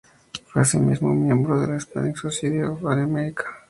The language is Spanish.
Fue asimismo miembro de la Hispanic Society of America.